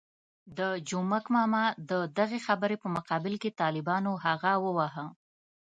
د جومک ماما د دغې خبرې په مقابل کې طالبانو هغه وواهه.